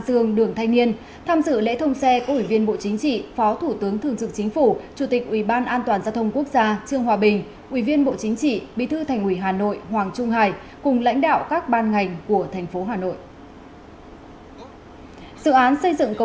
sự hội nghị có đại diện các bộ ngành và đại diện ban an toàn giao thông các địa phương trong cả nước